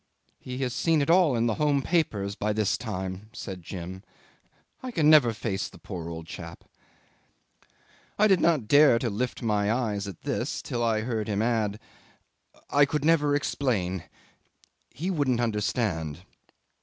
"He has seen it all in the home papers by this time," said Jim. "I can never face the poor old chap." I did not dare to lift my eyes at this till I heard him add, "I could never explain. He wouldn't understand."